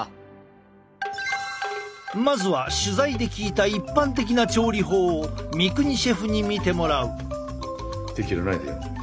まずは取材で聞いた一般的な調理法を三國シェフに見てもらう。